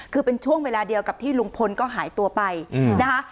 คือเป็นช่วงเวลาเดียวกับที่ลุงพลก็หายตัวไปนะคะ